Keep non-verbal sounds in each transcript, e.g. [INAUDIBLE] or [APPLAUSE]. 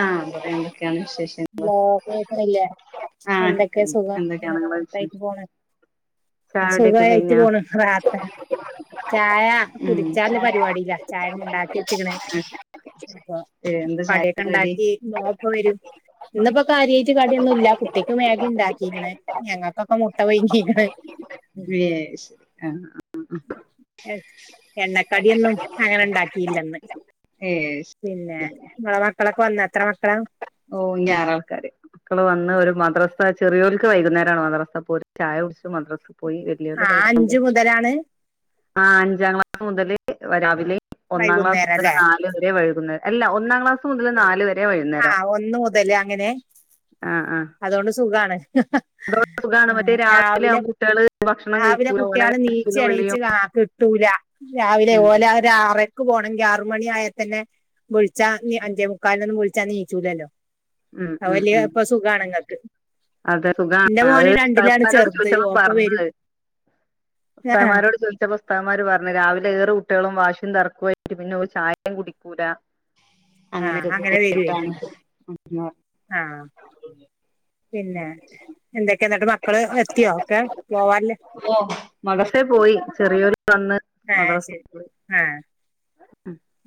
ആ [INAUDIBLE] ഹലോ കേക്ണില്ലേ? ആഹ് എന്തൊക്കെയാ കേക്ക്ണ്ട് സുഖം എന്തൊക്കെയാണ് നിങ്ങളെ ഇങ്ങനെ വിശേഷം പോണ ചായുടിയൊക്കെ സുഖയിട്ട് കഴിഞ്ഞോ പോണു റാഹത്ത ചായ ഉം കുടിച്ചാല് പരിപാടില ചായ ഇണ്ടാക്കി വെച്ച്ക്ക്ണ്. അപ്പൊ എന്താ കടിയൊക്കെ ചായക്ക് കടി ഇണ്ടാക്കി മോൻ പ്പോ വരും. ഇന്നിപ്പോ കാര്യായിട്ട് കടിയൊന്നുല്ല. കുട്ടിക്ക് മേഗി ഉണ്ടാക്കീക്ണ്. ഞങ്ങൾക്കൊക്കെ മുട്ടപുഴുങ്ങിക്ണ്. യേഷ്‌ ആഹ് ആ അ എണ്ണക്കടിയൊന്നും അങ്ങനെ ഇണ്ടാക്കിയില്ലെന്ന്. ഏഹ് ശരി പിന്നെ ങ്ങളെ മക്കളൊക്കെ വന്ന എത്ര മക്കളാ? ഓഹ് ഇഞ്ഞ് ആറാൾക്കാര് മക്കള് വന്ന് ഒരു മദ്രസ ചെറിയോൽക്ക് വൈകുന്നേരമാണ് മദ്രസ പോല് ചായ ക കൊടുത്ത് മദ്രസ് പോയി ആ വല്യോൽതാ ഇവിടെണ്ട്. അഞ്ചു മുതലാണ് ആ അഞ്ചാം ക്ലാസ് മുതൽ രാവിലെ ഒന്നാം ക്ലാസ് വൈകുന്നേരം മുതൽ അല്ലെ നാല് വരെ വൈകുന്നേരം. അല്ല ഒന്നാം ക്ലാസ് മുതൽ നാല് വരെ വൈകുന്നേരം ആഹ് ഒന്ന് മുതല് അങ്ങനെ ആഹ് ആഹ് അതുകൊണ്ട് സുഖാണ്. അതോണ്ട് സുഖാണ് മറ്റേ രാവിലെ ആവുമ്പോ കുട്ട്യാള് ഭക്ഷണം രാവിലെ കഴിക്കൂല ഓലെ കുട്ടികള് നീച്ചി കരച്ചിലും എണീച്ച് വിളിയും കിട്ടൂല. ര രാവിലെ ഉം ഓലെ ഒരു ആറര ക്ക് പോണെങ്കി ആറു മണി ആയാ തന്നെ വിൾച്ചാ ഇഞ്ഞി അഞ്ചേ മുക്കാലിനൊന്നും വിളിച്ചാ നീച്ചൂല്ലോ ഉം ആ ഉം വലിയ ഉം പ്പൊ സുഖണ്ങ്ങൾക്ക് അതെ സുഖാണ് അഹ് ഉസ്താദ് മാരോട് ചെറുത് ചോദിച്ചപ്പോ ഓപ്പ വരും പറഞ്ഞഹ് ആ ഉസ്താദ് ആ മാരോട് ചോദിച്ചപ്പോ ഉസ്താദ് ന്മാര് പറഞ്ഞു രാവിലെ ഏറ് കുട്ടികളും വാശി [UNINTELLIGIBLE] തറക്കൊയിട്ട് പിന്നെ ഓല് ചായം കുടിക്കൂല ആ അങ്ങനെ വരുവേ അങ്ങനെക്കെട്ടാണ് ആാ ആ പിന്നെ എന്തൊക്കെന്നട്ട് മക്കള് എത്തിയോ ഒക്കെ പോവാന് ഓ മദർസെ പോയി ചെറിയൊരു വന്ന് ആ മദ്രസ ശരി പോയി ആ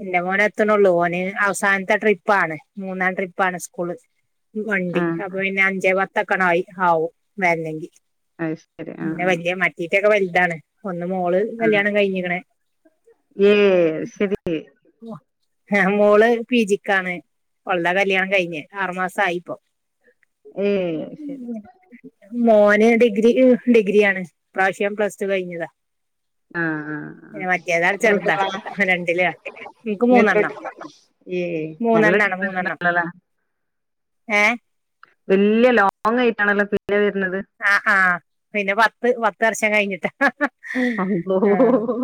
എന്റെ മോനെ എത്തണള്ളൂ ഓന് അവസാനത്തെ ട്രിപ്പാണ് മൂന്നാം ട്രിപ്പാണ് സ്കൂള് വണ്ടി ആ അപ്പൊ പിന്നെ അഞ്ചേ പത്തക്കണായി ആാവും വെരണെങ്കിൽ അ ശരി ആഹ കുയൊക്കെ വലുതാണ് ഒന്ന് മോള് കല്യാണം കഴിഞ്ഞിക്ക്ണ് ഏ ശരി ഏ മോള് പീജിക്കാണ് ഓൾടെ കല്യാണം കഴിഞ് ആറുമാസം ആയിപ്പോ ഏ മോന് ഡിഗ്രി ഈ ഡിഗ്രിയാണ് ഇ പ്രാവശ്യം പ്ലസ് ടു കഴിഞ്ഞതാ ആ ആ പിന്നെ മറ്റേതാ ആഎത്ര ചെറുതാ കുട്ടികള രണ്ടിലാ ഇൻക്ക് ഇനി എത്ര മൂന്നെണ്ണം കുട്ടി ഏ നല്ല മൂന്നെണ്ണാണ് [UNINTELLIGIBLE] മൂന്നെണ്ണം നല്ലല ഏ വല്ല്യ ലോങ് ആയിട്ടാണല്ലോ [INAUDIBLE] ആ ആ പിന്നെ പത്ത് പത്ത് വർഷം കഴിഞ്ഞിട്ട ആ അ അള്ളോ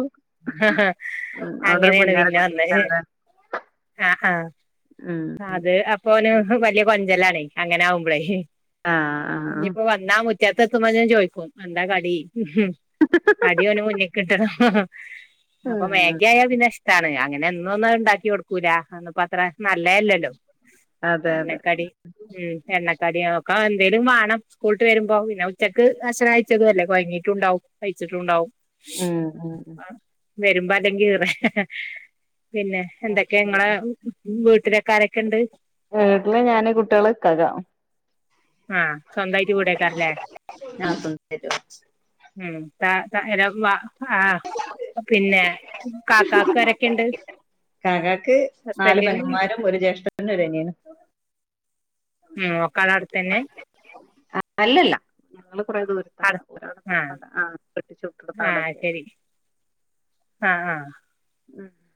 ഉം ആ അവിടൊരു അങ്ങനെയാണ് പിന്നെ പുന്നാരക്കുട്ടി വന്നെ ഉണ്ടാവുല്ലേ ആ ആ ഉം അത് അപ്പൊന് വലിയ കൊഞ്ചെലാണ് അങ്ങനെ ആാവുമ്പഴേ ആ ആ ആ മുറ്റത്തെത്തുമ്പോത്തിന് ചോയിക്കും എന്താ കടി മം കടി ഓന് മുന്നിക്കിട്ടണം അപ്പൊ ഉം മേഗി ആായ പിന്നെ ഇഷ്ടാണ് അങ്ങനെ എന്നൊ ഒന്നും ഉണ്ടാക്കി കൊടുക്കൂല അതൊന്നും പ്പോ അത്ര നല്ല [INAUDIBLE] ല്ലല്ലോ അതെ അതെ എണക്കടി മം എണ്ണക്കടി [INAUDIBLE] ആ എന്തേങ്കിലും വാണം സ്കൂളിട്ട് വരുമ്പോ പിന്നെ ഉച്ചയ്ക്ക് ഭക്ഷണം കഴിച്ചതല്ലേ കോയങ്ങീട്ടും ഉണ്ടാവും അല്ലേ കൊഴങ്ങിയിട്ടുണ്ടാവും പയിച്ചിട്ടുണ്ടാവും ഉം മം വരുമ്പോ അല്ലെങ്കി ഈറെ പിന്നെ എന്തൊക്കെ ങ്ങളെ വീ [INAUDIBLE] ട്ടിലൊക്കാരൊക്കെ ഉണ്ട് വീട്ടില് ഞാന് കുട്ടികള് ഇക്കാക്ക ആ സ്വന്തായിട്ട് വീടെക്കാരംലെ മം താ തഅ നം വാ ആ പിന്നെ ഇക്കാക്കാരൊക്കെ ണ്ട് ഇക്കാക്കക്ക് നാല് പെങ്ങന്മാരും ഒരു ജ്യേഷ്ഠനും ഒരനിയനും ഉം ഒക്കെ ആടെ അടുത്തന്നെ ആ അല്ലല്ല ഞങ്ങള് കുറ ദൂര ആണ് ആ കെട്ടിച്ചുട്ട്യോളൊക്കെ അവിടെൊക്കെ ആ ആ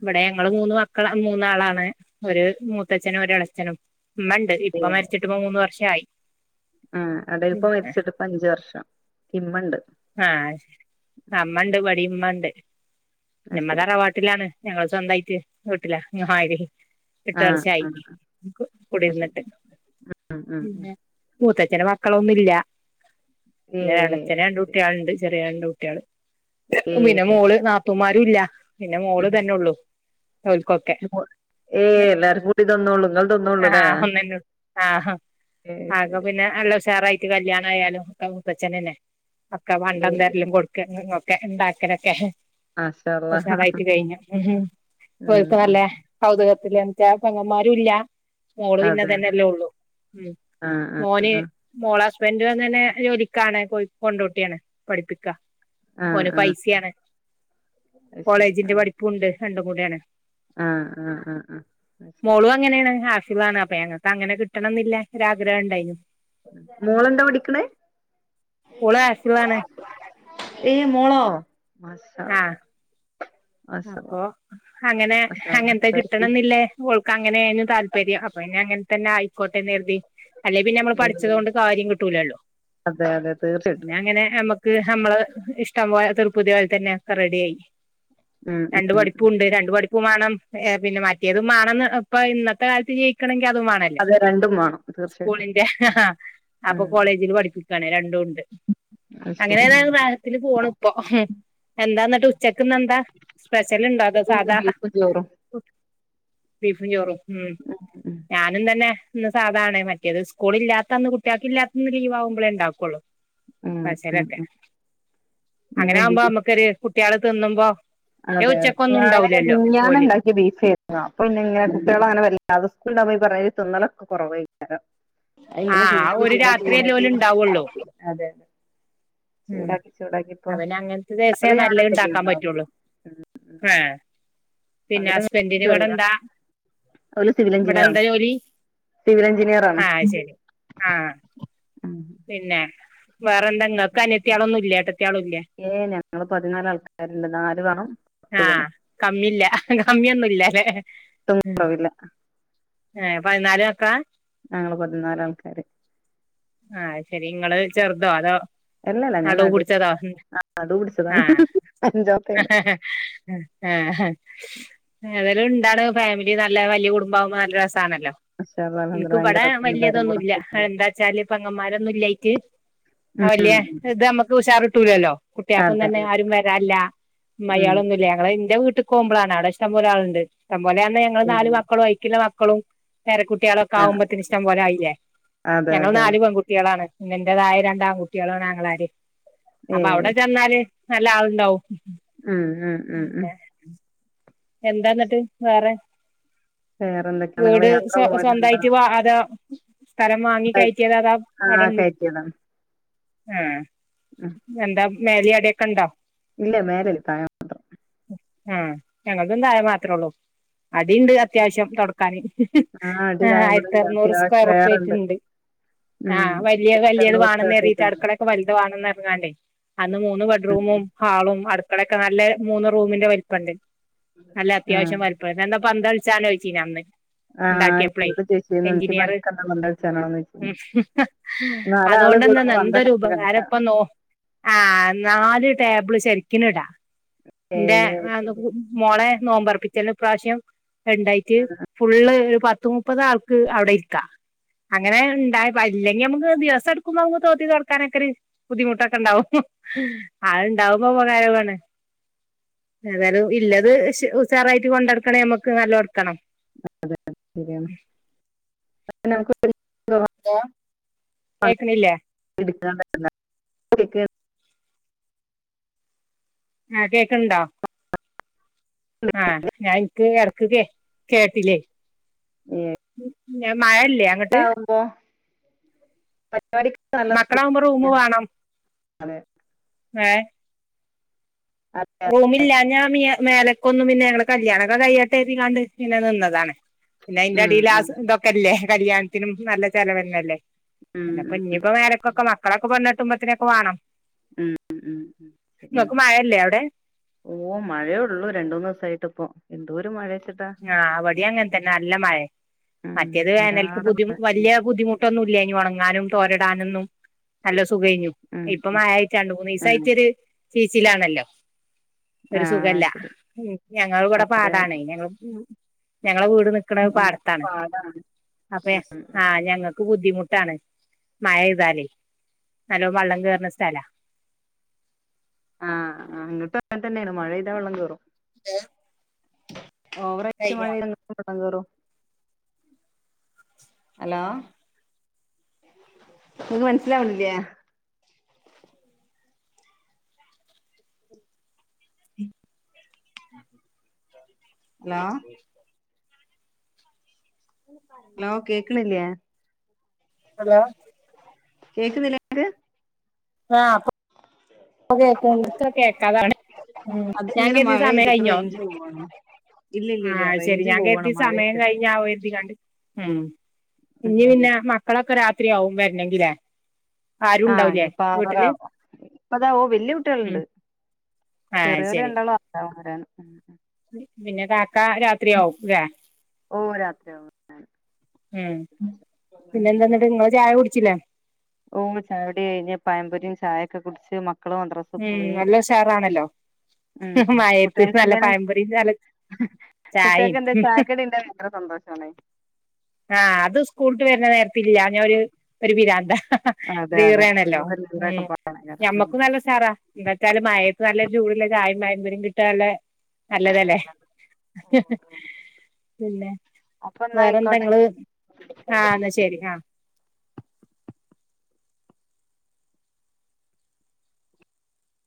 ഇവിടെ ഞങ്ങള് മൂന്ന് മ [INAUDIBLE] ക്കള് മൂന്നാളാണ് ഒരു മൂത്തച്ഛനും ഒ എളച്ഛനും മ്മ ണ്ട് ഇപ്പ മരിച്ചിട്ട്പ്പോ മൂന്ന് വർഷായി ആ ഇവിടെ ഇപ്പ മരിച്ചിട്ട് ഇപ്പം അഞ്ച് വർഷം ഇമ്മണ്ട് ആ അ മ്മണ്ട് വടീം മ്മ ണ്ട് അത് മ്മ ശരി തറവാട്ടിലാണ് ഞങ്ങള് സ്വന്തായിട്ട് വീട്ടില [UNINTELLIGIBLE] എട്ട് ആഹ് വർഷായി ആഹ് അത് ശരി കൂടിരുന്നിട്ട് ഉം ഉം ഉം പിന്നെ മൂത്തച്ഛന് മക്കളൊന്നും ഇല്ല പിന്നെ എളച്ചന് രണ്ട് ഏഹ് കുട്ട്യാള്ണ്ട് ചെറിയരണ്ട് കുട്ട്യാള് പിന്നെ ഏഹ് മോള് നാത്തൂമാരില്ല പിന്നെ മോള് തന്നെ ഉള്ളു ഓൾക്കൊക്കെ ഏയ് എല്ലാരും കൂടി തിന്നോള്ളൂ നിങ്ങൾ ആ തിന്നോള്ളൂല്ലേ ആഹ് ഒന്ന ആഹ് ഏയ് ആക ശരി പിന്നെ അല്ല ഉഷാറായി കല്യാണ ആയാലുംക്ക മുത്തച്ഛനന്നെ അക്ക വണ്ട ഏയ് എന്തെലും കൊടുക്കും ഒക്കെ ഉണ്ടാക്കലൊക്കെ മാഷാ അള്ളാ കുച്ച നറായിട്ട് ഉം കഴിഞ്ഞുക്ക ഉം നല്ല കൗത എന്താ പങ്ങെന്മാര ഇല്ല മോള് പിന്നെ അതെ അതെ തന്നെല്ലേ ഉള്ളൂ ഉ ആഹ് ആഹ് മോന് മോള അപ്പ എറ വന്ന് തന്നെ ജോലിക്കാണ് കൊണ്ടോട്ടിയാണ് പഠിപ്പിക്കുക ആഹ് ഓന് ആഹ് ആഹ് പൈസയാണ് അത് ശരി കോളേജിന്റെ പഠിപ്പുണ്ട് രണ്ടും കൂടെയാണ് ആഹ് ആഹ് ആഹ് ആഹ് ശരി ാണ് അപ്പൊ ഞങ്ങക്ക് അങ്ങെനെ കിട്ടണം എന്നില്ലേ ഒരാഗ്രഹം ഉണ്ടായിരുന്നുള മോളെന്താ മോള മസ ആഹ് അപ്പൊ അങ്ങനെ മാഷാ അങ്ങനത്തെ കിട്ടണം അള്ളാ എന്നില്ലേ ഓൾക്ക് അങ്ങനെ താല്പര്യം അപ്പൊ അങ്ങനെ തന്നെ ആയിക്കോട്ടെ നേരുതി അല്ലെ പിന്നെ നമ്മള് പഠിച്ചത് കൊണ്ട് കാര്യം കിട്ടൂലല്ലോ അതെ അതെ തീർച്ചയായിട്ടും പിന്നെ അങ്ങനെ നമ്മുക്ക് നമ്മള് ഇഷ്ടം പോ തീർപ്പുതി പോലി തന്നെ ഒക്കെ റെഡി ആായി ഉം ഉം രണ്ടു പഠിപ്പും ഉണ്ട് രണ്ട് പഠിപ്പും ഉപ്പ വേണം പിന്നെ മറ്റിയത് മേണം ഇപ്പ ഇന്നത്തെ കാലത്ത് ജയിണെ മാണല്ലോ അതെ രണ്ടും വേണം തീർച്ചയായിട്ടും സ്കൂളിന്റെ അപ്പൊ ഉം കോളേജിൽ പഠിപ്പിക്കണ രണ്ടും അത് അങ്ങനെ ശരി ആ. താ റാഹത്തിന് പോണ് ഇപ്പ എന്താ എന്നിട്ട് ഉച്ചക്ക്ന്ന് എന്താ സ്പ്രെഷലുണ്ടോ അതോ ഇന്ന് സാധാ ബീഫും ചോറും ഫ ചോറും ഉ ഉം ഞാനും തന്നെ ന്ന് സാധാണ് മറ്റത് സ്കൂള ഇല്ലാത്തന്ന് കുട്ടികൾക്ക് ഇല്ലാത്തന്ന് ലീവ് ആകുമ്പോേ ഉണ്ടാക്കുള്ളൂ ഉം ഉം ഉം സ്പെഷലൊക്കെ ഉം അങ്ങനെ ഇന്ന് ആകുമ്പോ ബീഫ് നമ്മുക്കൊരു കുട്ടികള് തിന്നുമ്പോ അതെ അതെ ഉച്ചക്കൊന്നും ഞാന് ഉണ്ടാവൂലല്ലോ മിഞ്ഞാന്ന് ഓല് ഉണ്ടാക്കിയ ബീഫ് അപ്പൊ ഇന്ന ഇങ്ങനെ കുട്ടികള അങ്ങനെ വല്ലാത ഉാ പോയി പറഞ്ഞ തൊന്നളൊക്കെ കുറവായിാരം അ ആഹ് ഒരു രാത്രിയല്ലേ ഓല് ഉണ്ടാവുള്ളൂ അതെ അതെ ഉം ചൂടാക്കി ചൂടാക്കി ഇപ്പൊ അവന് അങ്ങനത്തെ ദിവസേ പകല് ഞാൻ നല്ല ഒറ്റക്കെ ഉണ്ടാക്കാൻ ഉണ്ടാവും പറ്റുള്ളു ആഹ പിന്നെ പകല് ഹസ്ബൻഡിന് ഇവിടെ ചെറിയ എന്താ ഓല് സിവിൽ ഇവിടെ എഞ്ചിനീയറാണ് എന്താ ജോലി സിവിൽ എഞ്ചിനീയറാണ് ആഹ് ശരി ആഹ പിന്നെ വേറെ എന്തെങ്ങക്ക് അനിയത്തിയാളൊന്നും ഇല്ല ഏട്ടത്തെ ആള ഇല്ല ഏ ഞങ്ങള് പതിനാല് ആൾക്കാരുണ്ട് നാല് വേണം പത്ത് ആഹ് പെണ്ണും കമ്മില്ല കമ്മിയൊന്നുംല്ലല്ലേ ഒട്ടും കുറവില്ല ഏ പതിനാല് മക്കളാ ഞങ്ങള് പതിനാല് ആൾക്കാര് ആഹ് ശെരി നിങ്ങള് ചെറുതോ അതോ അല്ലല്ല ഞാൻ അടുവ് നടു കുടിച്ചതാ നടു പിടിച്ചതാണ് ആഹ് അഞ്ചാമത്തെയാണ് ആഹ് അത ഉണ്ടാവുന്ന ഫാമിലി നല്ല വലിയ കുടുംബം ആവുമ്പോൾ നല്ലരസം ണല്ലോ മാഷാ അല്ലാഹ് അൽഹംദുലില്ലാഹ് എനിക്ക് വിടെ ഭയങ്കര രസണ്ട് എല്ലാരും വലിയതൊന്നും കൂടെ ഇല്ല എന്താ വച്ചാല് പങ്ങന്മാരൊന്നും ഇല്ലായിട്ട് വല്യ ഉം ഇത് നമ്മുക്ക് ഉഷാറ്കിട്ടൂലല്ലോ കുട്ടികൾക്കൊന്നും അതെ തന്നെ അതെ ആരും വരാ ല്ല അമ്മായാളൊന്നുമല്ല ഞങ്ങള് എന്റെ വീട്ട പോവുംമ്പളാണ് അവിടെ ഇഷ്ട്ടം പോലെ ആളുണ്ട് ഇഷ്ട്ടമ്പോലന്ന ഞങ്ങള് ഉം നാല് മക്കളും അതിക്കുള്ള മക്കളും പേര കുട്ടികളൊക്കെ ആകുമ്പോത്തിന് ഇഷ്ടം പോലെ ആയില്ലേ അതെ ഞങ്ങൾ അതെ നാല് അതെ പെൺകുട്ടികളാണ് എന്റേതായെ രണ്ട് ആൺ കുട്ടികളാണ്. ആങ്ങളാര് അപ്പൊ ഏഹ് അവിടെ ചെന്നാല് നല്ല ആളുണ്ടാവും ഉം ഉം ഉം ഉം എന്താ ഇന്ന്ട്ട് വേറെ വേറെന്തൊക്കെയാണ് നിങ്ങള് വീട് യാത്ര പോവലുണ്ടോ? സ്വന്തായിറ്റ് വാ അതൊ സ്ഥലം വാങ്ങി കഴറ്റിയതൊ അതൊ ആഹ് അവടൺ കയറ്റിയതാണ് ആഹ് ഉം എന്താ മേലി അടിക്കെണ്ടോ ഇല്ല മേലെ ഇല്ല താഴെ മാത്രം ആഹ് ഞങ്ങക്കും തായെ മാത്രൊള്ളു. അടിണ്ട് അത്യാവശ്യം തൊടക്കാന് അടി ആഹ് താഴെ ഇവിടെണ്ട് ആയിരത്തർന്നൂറ് അത്യാവശ്യം സ്ക്വയർ വേറെണ്ട് ഫീറ്റ്ണ്ട് ഉം ആഹ് വല്യ വല്യത് തൊണ്ണൂറ് വേണം സ്ക്വയർ ന്നെരിതിട്ട് ഫീറ്റ്ണ്ട് അടുക്കളൊക്കെ വൽത് വാണംന്ന അന്ന് മൂന്ന് ബഡ്റൂമും ഹാളും അടുക്കളൊക്കെ നല്ല മൂന്ന് റൂമിന്റെ വൽപ്പണ്ട് നല്ല ആഹ് അത്യാവശം വൽപ്പം തന്താ പന്തള്ച്ചാനൊയ്ച്ചീനു അന്ന് ആഹ് ഇണ്ടാക്കിയപ്ളെ ഇന്നോട് ചോയിച്ചിരുന്നു അനക്ക് എഞ്ചിനീയറ് പണ്ടക്കെന്താ പന്ത് കളിച്ചാനാണോന്ന് അ ചോയിച്ചിരുന്നു നാലാള് കൂടുമ്പോ അതുകൊണ്ടന്നാന്തൊരു പന്തൊക്കെ ഉപകാര കളിക്കാ ഇപ്പന്നോ ആഹ് നാല് ടേബ്ള് ശരിക്ക്നിടാ ഇന്റേ ഏഹ് ശരി നമ്മളെ നോമ്പു റപ്പിച്ചാലിനു ഇപ്രാശ്യം രണ്ടായ്റ്റ് ഫുള്ള് പത്ത് മുപ്പത് ആൾക്ക് അവിടെ ഇരിക്ക അങ്ങനെ ഉണ്ടായി ഇല്ലെങ്കി ഞമ്മക്ക് ദിവസെടുക്കുമ്പൊ നമ്മക്ക് തോത്തി തൊടക്കാനൊക്കെ ഒരു ബുദ്ധി മുട്ട് ഒക്കെ ഇണ്ടാവും അത് ഉണ്ടാവുമ്പൊ ഉപകാരം ഉള്ളതാണ് മ്മ്....... ഏതായാലും ഇല്ലത് ഉഷാറായിട്ട് കൊണ്ട് നടക്കണെ ഞമ്മക്ക് നല്ലോണം ഇടക്കണം അതെ ശരിയാണ് ഞാൻ അവൾക്ക് ന്തോ കേക്ക്ണില്ലെ കിട്ടുന്നതല്ല കുടീക് ആഹാ കേക്ക്ണുണ്ടോ ആഹ് ഞാൻ ഇന്ക്ക് എടക്ക് കേ കേട്ടി ലെ ഉം ഞ, മഴല്ലെ അങ്ങട്ട് പരിപാടിക്ക് നല്ലതാണ് മക്കളാവുമ്പോ റൂമ് വേണം, അതെ ഏഹ് റൂമില്ലാഞ്ഞാ മിയെ മേലക്കൊന്നും പിന്നെ ഞങ്ങളെ കല്യാണൊക്കെ കയ്യട്ടെ എന്ന് കരുതിട്ട് നിന്നതാണ് പിന്നെ അയിന്റെ ഉം അടീല് ഉം ആസ് ഇതൊക്കെല്ലെ കല്യാണത്തിനും നല്ല ചെലവ് തന്നെയാല്ലെ ഉം ഉം ഇപ്പൊ ഉം ഇഞ്ഞിപ്പോൾ മേലൊകൊക്കെ മക്കളൊക്കെ പെണ്ണ് കേട്ടുമ്പോതിന്ന് നൊക്കെ വേണം ഉം ഉം ഉം ശരിയാണ് ഇങ്ങക്ക് മഴ ഇല്ലെ അവിടെ ഓ മഴയെ ഉള്ളൂ രണ്ടൂ മൂന്നു ദിവസായിട്ട് ഇപ്പൊ എന്തോരം മഴ യാണ് ആഹ് അവടെ അങ്ങൻതന്നെ നല്ല മഴ ഉം മറ്റേത് വേനൽക്ക് തോരാതെ ബുദ്ധി മഴ വല്യെ ബുദ്ധിമുട്ടൊന്നും ഇല്ലേനു ഉണങ്ങാനും തോരടാനൊന്നും നല്ല സുഖെയ്നിം ഉം ഇപ്പം ഉം മഴായായിട്ട് രണ്ട് ഉം മൂന്നീസയ്റ്റൊര് ചീച്ച്ലാണല്ലൊ. ആ ഒരു ആ സുഖല്ല. ശരി ഞങ്ങള് വടെ അതെ പാടാണെ ഞങ്ങ ഞങ്ങളെ വീട് നിക്ക്ണ ഇങ്ങക്ക് പാട്ത്താണ് പാടാണ് അപ്പെ ആ ഞങ്ങ ബുദ്ധിമുട്ടാണ്. മഴെയ്താലെ. നല്ലോം വള്ളം കേറ്ണ സ്ഥല ആഅങ്ങ്ട്ട് അങ്ങൻതന്നേണ് മഴെയ്താ വള്ളം കേറും ഏഹ് ഓവറായ്റ്റ് മഴെയ്തങ്ങകും വള്ളം കേറൊ അലോ ങക് മനസ്സ്ലാവ്ണില്ലെ അലോ അലോ കേക്ക്ണില്ലേ ഹലോ കേക്ക്ന്നില്ലെ ങക്ക് ആ ഇപ്പ കേക്ക്ണ്ണ്ട്. ഇത്ര കേക്കതാവ്ണ് ഉം ഞാൻ അതിങ്ങനെ കരിതി മഴ സമയം പെയ്തിട്ട് കയിഞ്ഞോ റേഞ്ച് പോവാണ് ഇല്ല ഇല്ല ആ ഇല്ല ശെരി റേഞ്ച് ഞാൻ പോവാണ് കരിതി മഴ സമയം പെയ്തിട്ട് കഴിഞ്ഞാവോ എരുതി കാണ്ട് ഉം ഇനി പിന്നെ എന്തായാലും മക്കളൊക്കെ രാത്രിയാവും വരണെങ്കിലേ ആരും ഉണ്ടാവൂലേ വീട്ടില് അപ്പതാ ഓ വല്യ ഉം കുട്ടിളുണ്ട് ആ ചെറിയോല് ശരി രണ്ടാളും ആറര ആവും വരാൻ പിന്നെ കാക്ക രാത്രിയാവും ലേ ഓ രാത്രിയാവും ഉം പിന്നെ ഉം എന്താന്നിട്ട് നിങ്ങള് ചായ കുടി ച്ചില്ലേ ഓ ചായുടി കയിഞ്ഞ് പയമ്പൊരിയും ചായൊക്കെ കുടിച്ച് മാക് ഉം നല്ല ഉഷാറാണല്ലോ മയത്ത് നല്ല പായമ്പൊരീം നല്ല കുട്ടികക്ക് ചായയും എന്താ ചായക്കടി ഉണ്ടേ ഭയങ്കര സന്തോഷാണ് ആ അത് സ്കൂള്ട്ട് വരുന്ന നേരത്തില്ലാഞ്ഞ ഒരു പിരാന്ത അതെ അതെ [UNINTELLIGIBLE] ആണല്ലോ ഉം കുട്ടികൾക്കൊരു ഉം ഞമ്മക്കും നല്ല ഉസാറാ എന്നച്ചാല് മയത്ത് നല്ലൊരു ചൂട്ള്ള ചായേം പയമ്പൊരീം കിട്ട നല്ല നല്ലതല്ലേ പിന്നെ അപ്പൊ എന്നാ വേറെ ങ്ങള് ആയിക്കോട്ടെ ആ എന്ന ശരി ആ